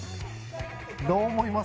どう思います？